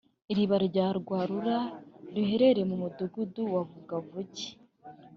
Iriba rya Rwarura riherereye mu mudugudu wa Vugavugi